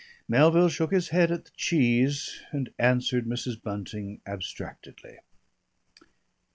Melville shook his head at the cheese, and answered Mrs. Bunting abstractedly.